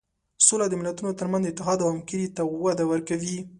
سوله د ملتونو تر منځ اتحاد او همکاري ته وده ورکوي.